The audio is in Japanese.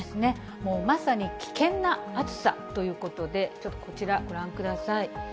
もうまさに危険な暑さということで、ちょっとこちらご覧ください。